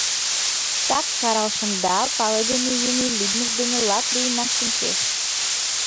Так карал шында — палыдыме еҥже лӱдмыж дене лап лийынак шинчеш.